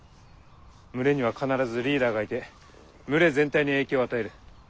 群れには必ずリーダーがいて群れ全体に影響を与える。